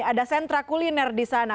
ada sentra kuliner di sana